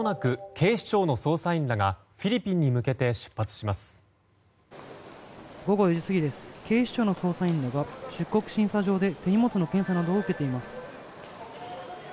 警視庁の捜査員らが出国審査場で手荷物の検査などを受けています。